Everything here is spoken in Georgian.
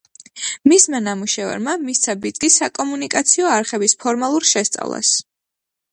მისმა ნამუშევარმა მისცა ბიძგი საკომუნიკაციო არხების ფორმალურ შესწავლას.